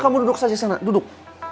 kamu duduk saja sana duduk